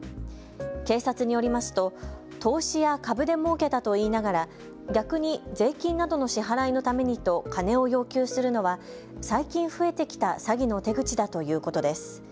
警察によりますと投資や株でもうけたと言いながら逆に税金などの支払いのためにと金を要求するのは最近増えてきた詐欺の手口だということです。